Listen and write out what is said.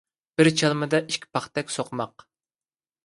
بىر چالمىدا ئىككى پاختەك سوقماق